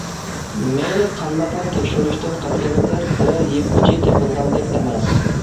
مەيلى قانداقلا تەكشۈرۈشتىن قەتئىينەزەر، بىرەر يىپ ئۇچى تېپىلىدىغاندەك ئەمەس.